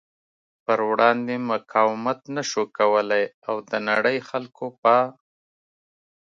پر وړاندې مقاومت نشو کولی او د نړۍ خلکو په